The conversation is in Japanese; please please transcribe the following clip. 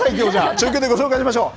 中継でご紹介しましょう。